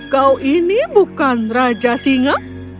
kau ini bukan raja singa